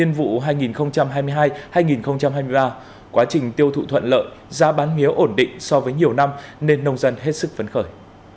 nhiên vụ hai nghìn hai mươi hai hai nghìn hai mươi ba quá trình tiêu thụ thuận lợi giá bán mía ổn định so với nhiều năm nên nông dân hết sức phấn khởi